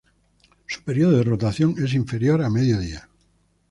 Su período de rotación es inferior a medio día.